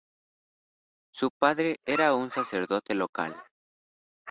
Su padre era un sacerdote local.